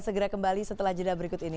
segera kembali setelah jeda berikut ini